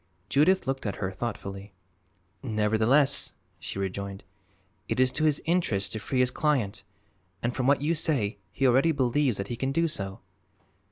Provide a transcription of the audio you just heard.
Judith looked at her thoughtfully. "Nevertheless," she rejoined, "it is to his interest to free his client, and from what you say he already believes that he can do so."